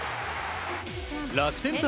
楽天対